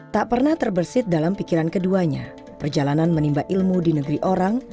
tak pernah terbersih dalam pikiran keduanya perjalanan menimba ilmu di negeri orang